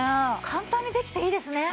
簡単にできていいですね。